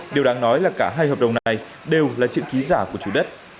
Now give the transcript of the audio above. điều đáng nói là cả hai hợp đồng này đều là chữ ký giả của chủ đất